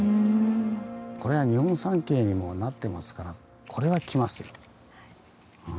これは日本三景にもなってますからこれは来ますよ。